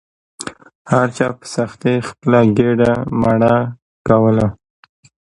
هر چا په سختۍ خپله ګیډه مړه کوله.